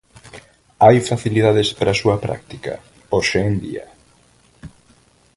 Hai facilidades para a súa práctica hoxe en día?